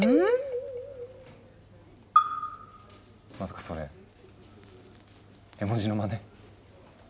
まさかそれ絵文字のまね？